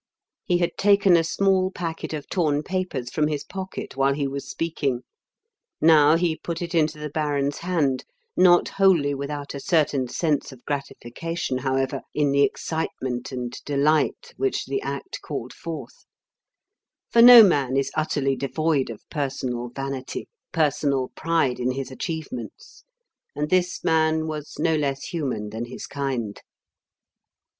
He had taken a small packet of torn papers from his pocket while he was speaking; now he put it into the baron's hand not wholly without a certain sense of gratification, however, in the excitement and delight which the act called forth; for no man is utterly devoid of personal vanity, personal pride in his achievements, and this man was no less human than his kind.